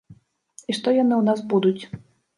І што яны ў нас будуць.